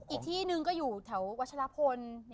อีกที่นึงก็อยู่แถววชารพล